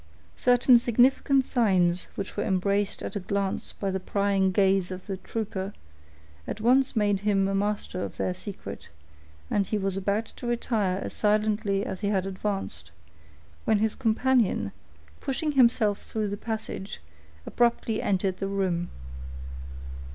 Certain significant signs which were embraced at a glance by the prying gaze of the trooper, at once made him a master of their secret; and he was about to retire as silently as he had advanced, when his companion, pushing himself through the passage, abruptly entered the room.